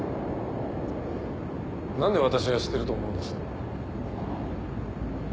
何で私が知ってると思うんです？